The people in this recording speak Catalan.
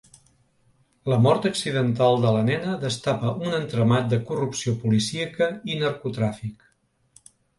La mort accidental de la nena destapa un entramat de corrupció policíaca i narcotràfic.